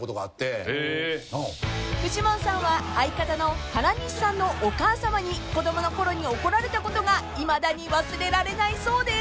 ［フジモンさんは相方の原西さんのお母さまに子供のころに怒られたことがいまだに忘れられないそうです］